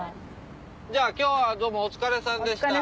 じゃあ今日はどうもお疲れさんでした。